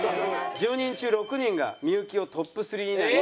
１０人中６人が幸をトップ３以内に。